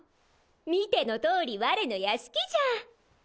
見ての通り我の屋敷じゃ！